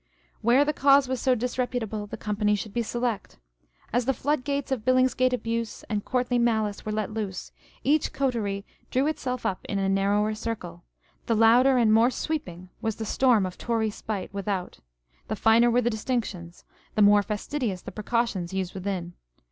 Where the cause was so disreputable, the company should be select. As the flood gates of Billingsgate abuse and courtly malice were let loose, each coterie drew itself up in a narrower circle : the louder and more sweeping was the storm of 528 On the Jealousy and the Spleen of Party. Tory spite without, the finer were the distinctions, the more fastidious the precautions used within.